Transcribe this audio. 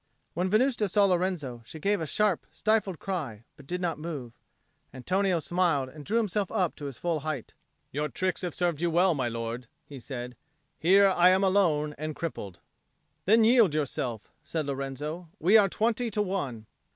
When Venusta saw Lorenzo, she gave a sharp stifled cry, but did not move: Antonio smiled, and drew himself to his full height. "Your tricks have served you well, my lord," he said. "Here I am alone and crippled." "Then yield yourself," said Lorenzo. "We are twenty to one."